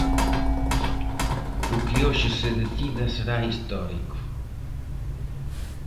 O que hoxe se decida será histórico.